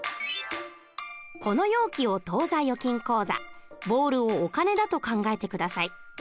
この容器を当座預金口座ボールをお金だと考えて下さい。